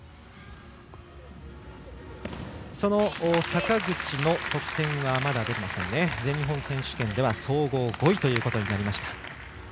坂口は全日本選手権では総合５位ということになりました。